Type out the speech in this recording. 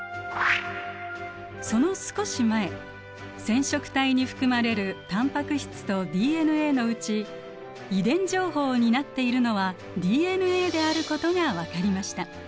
その少し前染色体に含まれるタンパク質とＤＮＡのうち遺伝情報を担っているのはＤＮＡであることが分かりました。